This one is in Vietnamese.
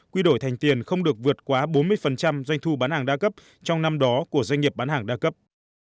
quy đổi thành tiền không được vượt quá bốn mươi doanh thu bán hàng đa cấp trong năm đó của doanh nghiệp bán hàng đa cấp